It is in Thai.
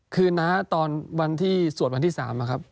คือน้าตอนวันที่สวดวันที่๓นะครับ